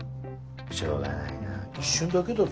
しょうがないなぁ一瞬だけだぞ？